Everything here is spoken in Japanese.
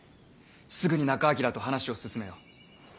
すぐに仲章と話を進めよう。